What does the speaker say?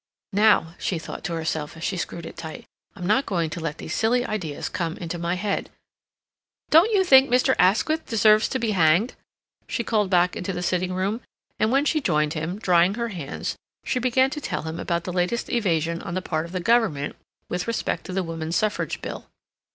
"Now," she thought to herself, as she screwed it tight, "I'm not going to let these silly ideas come into my head.... Don't you think Mr. Asquith deserves to be hanged?" she called back into the sitting room, and when she joined him, drying her hands, she began to tell him about the latest evasion on the part of the Government with respect to the Women's Suffrage Bill.